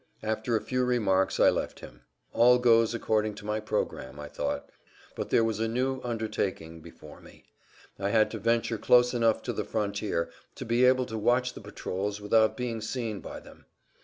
After a few remarks I left him. All goes according to my program, I thought. But there was a new undertaking before me. I had to venture close enough to the frontier to be able to watch the patrols without being seen by them.